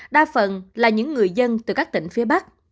đa phần là những người dân từ các tỉnh phía bắc